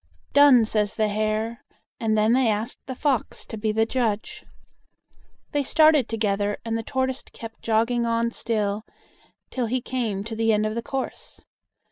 "Done," says the Hare, and then they asked the Fox to be the judge. They started together, and the Tortoise kept jogging on still, till he came to the end of the course.